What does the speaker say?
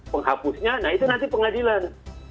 penghapusnya nah itu nanti pengadilan